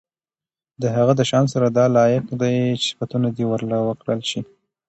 د هغه د شان سره دا لائق دي چې صفتونه دي ورله وکړل شي